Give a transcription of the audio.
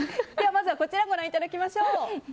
まずはこちらをご覧いただきましょう。